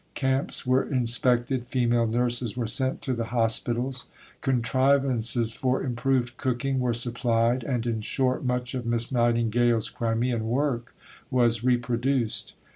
Camps were inspected; female nurses were sent to the hospitals; contrivances for improved cooking were supplied, and in short, much of Miss Nightingale's Crimean work was reproduced.